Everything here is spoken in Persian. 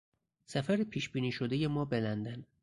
سفر پیش بینی شدهی ما به لندن